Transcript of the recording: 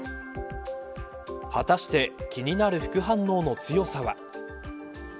果たして気になる副反応の強さは。